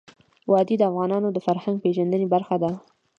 وادي د افغانانو د فرهنګ پیژندني برخه ده.